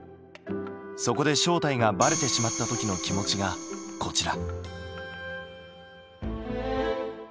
そこで正体がバレてしまった時の気持ちがこちら。